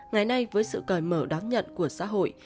ngày nay với sự cởi mở đáng nhận của xã hội